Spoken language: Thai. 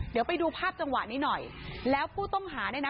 เดี๋ยวไปดูภาพจังหวะนี้หน่อยแล้วผู้ต้องหาเนี่ยนะ